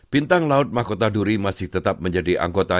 bintang laut mahkota duri masih tetap menjadi anggota